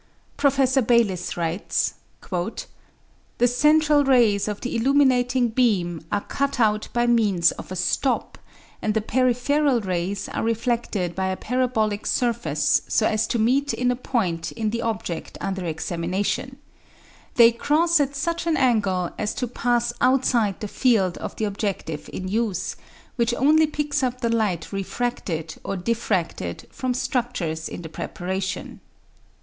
Professor Bayliss writes: "The central rays of the illuminating beam are cut out by means of a stop, and the peripheral rays are reflected by a parabolic surface so as to meet in a point in the object under examination; they cross at such an angle as to pass outside the field of the objective in use, which only picks up the light refracted, or diffracted, from structures in the preparation."